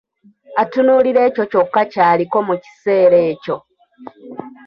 Atunuulira ekyo kyokka ky'aliko mu kiseera ekyo.